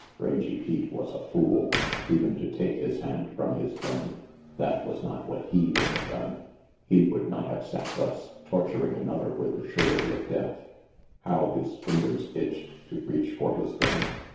Rangy Pete was a fool, even to take his hand from his gun. That was not what he would have done. He would not have sat thus, torturing another with the surety of death. How his fingers itched to reach for his gun.